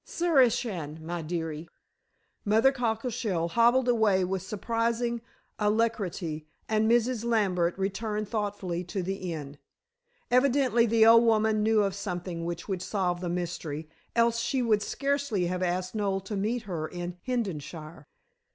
Sarishan, my deary." Mother Cockleshell hobbled away with surprising alacrity, and Mrs. Lambert returned thoughtfully to the inn. Evidently the old woman knew of something which would solve the mystery, else she would scarcely have asked Noel to meet her in Hengishire.